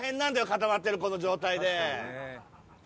固まってるこの状態で。